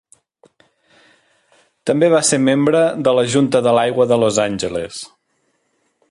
També va ser membre de la Junta de l'Aigua de Los Angeles.